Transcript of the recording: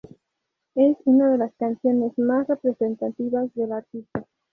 Es una de las canciones más representativas del artista.